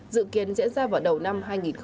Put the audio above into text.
dự kiến diễn ra vào đầu năm hai nghìn hai mươi